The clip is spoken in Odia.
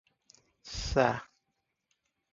ସା।